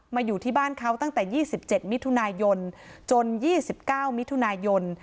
อยู่ที่บ้านเขาตั้งแต่๒๗มิถุนายนจน๒๙มิถุนายน